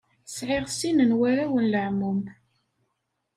Sɛiɣ sin n warraw n leɛmum.